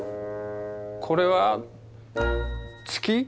これは月？